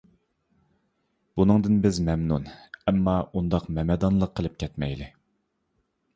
بۇنىڭدىن بىز مەمنۇن ئەمما ئۇنداق مەمەدانلىق قىلىپ كەتمەيلى.